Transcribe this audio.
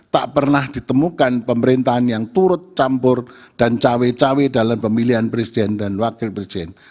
tak pernah ditemukan pemerintahan yang turut campur dan cawe cawe dalam pemilihan presiden dan wakil presiden